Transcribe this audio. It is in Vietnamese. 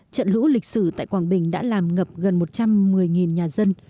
trận lũ lịch sử tại quảng bình đã làm ngập gần một trăm một mươi nhà dân